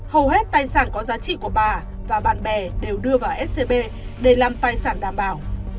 hầu hết tài sản có giá trị của bà và bạn bè đều đưa vào scb để làm tài sản đảm bảo